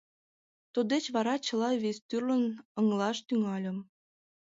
Туддеч вара чыла вестӱрлын ыҥлаш тӱҥальым.